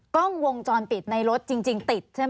กล้องวงจรปิดในรถจริงติดใช่ไหม